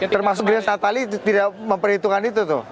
termasuk gresa tali tidak memperhitungkan itu tuh